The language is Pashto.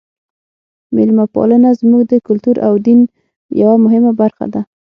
میلمه پالنه زموږ د کلتور او دین یوه مهمه برخه ده.